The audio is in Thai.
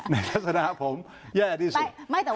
ในรัฐธนาภงเหยะดีสุด